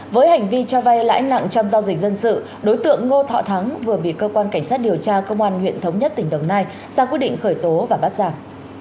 với hành vi cho vay lãi nặng trong giao dịch dân sự đối tượng ngô thọ thắng vừa bị cơ quan cảnh sát điều tra công an huyện thống nhất tỉnh đồng nai ra quyết định khởi tố và bắt giả